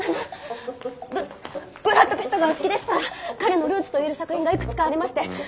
ブブラッド・ピットがお好きでしたら彼のルーツと言える作品がいくつかありまして中でも。